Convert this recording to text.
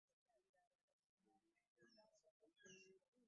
Kale lwaki tegalinda obudde ne bukya ?